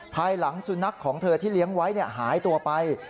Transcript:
ภายหลังสุนัขของเธอที่เลี้ยงไว้หายตัวไป